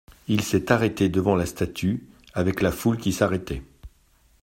Il s'est arrêté devant la statue avec la foule qui s'arrêtait.